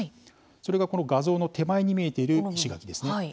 それが、この画像の手前に見えている石垣です。